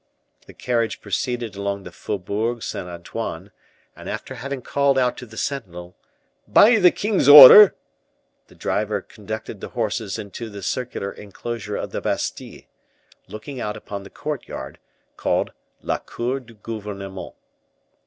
They carriage proceeded along the Faubourg Saint Antoine, and, after having called out to the sentinel, "By the king's order," the driver conducted the horses into the circular inclosure of the Bastile, looking out upon the courtyard, called La Cour du Gouvernement.